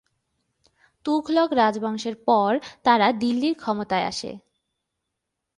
তুঘলক রাজবংশের পর তারা দিল্লির ক্ষমতায় আসে।